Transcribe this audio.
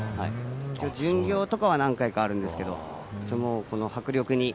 巡業とかは何回かあるんですけど。